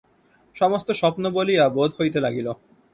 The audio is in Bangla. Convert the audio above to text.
সমস্ত স্বপ্ন বলিয়া বোধ হইতে লাগিল।